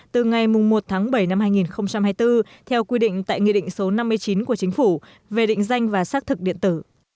từ ngày một tháng bảy năm hai nghìn hai mươi bốn theo quy định tại nghị định số năm mươi chín của chính phủ về định danh và xác thực điện tử